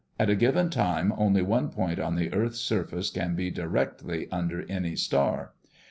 At a given time only one point on the earth's surface can be directly under any star.